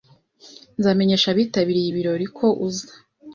Nzamenyesha abitabiriye ibirori ko uza.